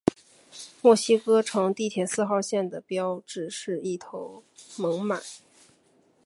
墨西哥城地铁四号线的标志就是一头猛犸。